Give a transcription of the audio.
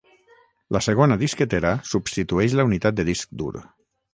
La segona disquetera substitueix la unitat de disc dur.